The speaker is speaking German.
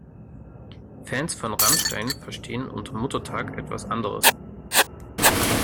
Fans von Rammstein verstehen unter Muttertag etwas anderes.